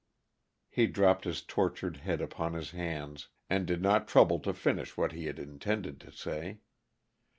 He dropped his tortured head upon his hands and did not trouble to finish what he had intended to say.